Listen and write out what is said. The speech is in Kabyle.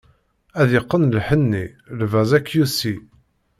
Ad yeqqen lḥenni, lbaz akyusi.